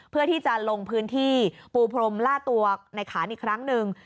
เพื่อที่จะลงพื้นที่ปูพรมล่าตัวในขานอีกครั้งหนึ่ง